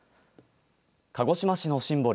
鹿児島市のシンボル